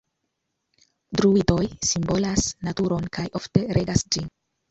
Druidoj simbolas naturon kaj ofte regas ĝin.